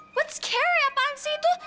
apa kere apaan sih itu